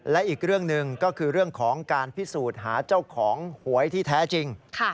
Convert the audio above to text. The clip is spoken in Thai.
และอีกเรื่องหนึ่งก็คือเรื่องของการพิสูจน์หาเจ้าของหวยที่แท้จริง